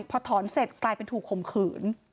พอถอนเสร็จกลายเป็นถูกข่มขืน